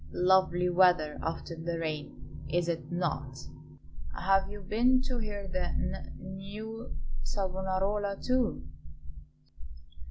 Lovely weather after the rain, is it not? Have you been to hear the n new Savonarola, too?"